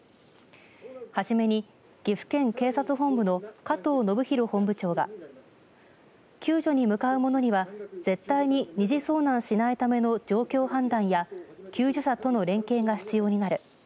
初めに岐阜県警察本部の加藤伸宏本部長が救助に向かう者には絶対に二次遭難しないための状況判断や救助者との連携が必要になる。